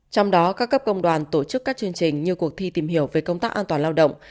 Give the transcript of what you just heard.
trong đó các cấp công đoàn tổ chức các chương trình như cuộc thi tìm hiểu về công tác an toàn lao động